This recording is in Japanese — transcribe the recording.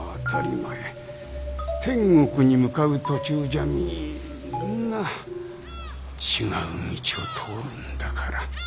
天国に向かう途中じゃみんな違う道を通るんだから。